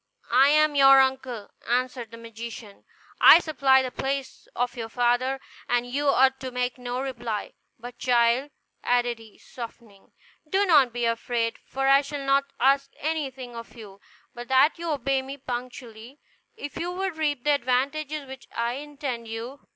"I am your uncle," answered the magician; "I supply the place of your father, and you ought to make no reply. But child," added he, softening, "do not be afraid; for I shall not ask anything of you, but that you obey me punctually, if you would reap the advantages which I intend you.